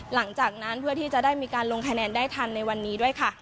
หลังจากที่ได้มีการลงคะแนนได้ทันในวันนี้ด้วยค่ะ